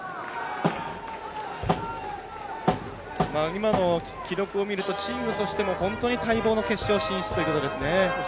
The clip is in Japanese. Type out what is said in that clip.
今の記録を見るとチームとしても本当に待望の決勝進出ということですね。